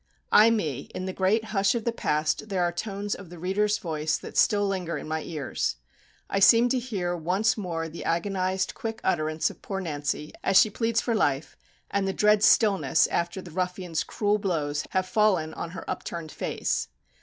Ay me, in the great hush of the past there are tones of the reader's voice that still linger in my ears! I seem to hear once more the agonized quick utterance of poor Nancy, as she pleads for life, and the dread stillness after the ruffian's cruel blows have fallen on her upturned face.